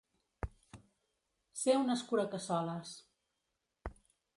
Ser un escuracassoles.